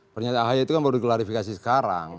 pernyataan ahy itu kan baru diklarifikasi sekarang